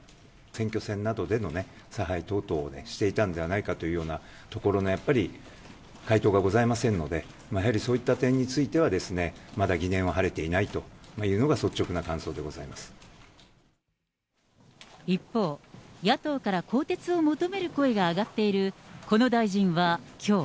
選挙戦などでの差配等々をね、していたんではないかというようなところの、やっぱり回答がございませんので、やはりそういった点については、まだ疑念は晴れていないというの一方、野党から更迭を求める声が上がっているこの大臣はきょう。